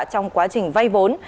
trong quá trình vay vốn